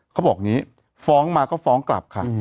เขาบอกอย่างนี้ฟ้องมาก็ฟ้องกลับค่ะ